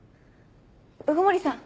鵜久森さん！